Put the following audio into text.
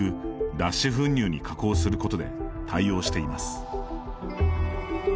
脱脂粉乳に加工することで対応しています。